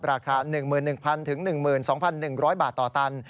ราคา๑๑๐๐๑๒๑๐๐บาทต่อตัน